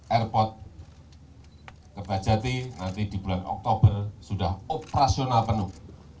airport kerbajati nanti di bulan oktober sudah operasional penuh